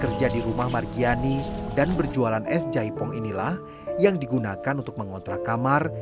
kerja di rumah margiani dan berjualan es jaipong inilah yang digunakan untuk mengontrak kamar